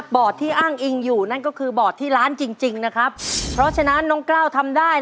ที่อ้างอิงอยู่นั่นก็คือบอร์ดที่ร้านจริงจริงนะครับเพราะฉะนั้นน้องกล้าวทำได้